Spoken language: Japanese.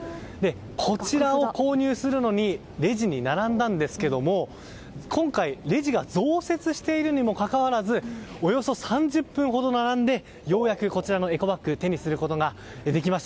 こちらを購入するのにレジに並んだんですけども今回、レジが増設しているにもかかわらずおよそ３０分ほど並んでようやくこちらのエコバッグを手にすることができました。